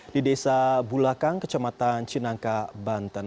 di desa bulakang kecamatan cinangka banten